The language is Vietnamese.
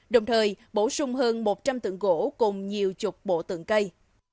đồng thời bổ sung hơn một trăm linh tượng gỗ cùng nhiều chục bộ tượng cây